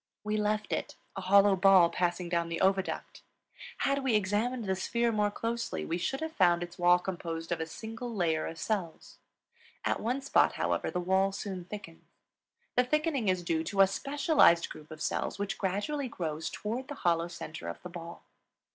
We left it, a hollow ball passing down the oviduct; had we examined the sphere more closely we should have found its wall composed of a single layer of cells. At one spot, however, the wall soon thickens. The thickening is due to a specialized group of cells which gradually grows toward the hollow center of the ball.